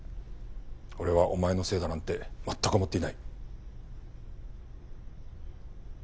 俺はお前のせいだなんて全く思っていない。